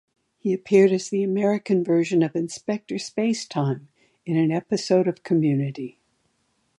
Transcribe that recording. He appeared as the American version of Inspector Space-Time in an episode of "Community".